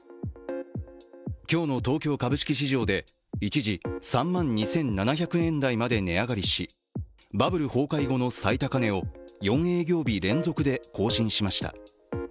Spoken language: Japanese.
今日の東京株式市場で一時３万２７００円台まで値上がりしバブル崩壊後の最高値を４営業日連続で更新しました。